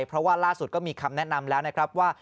เพราะว่าล่าสุดก็มีคำแนะนำแล้วนะครับว่า